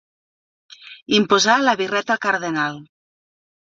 Imposar la birreta al cardenal.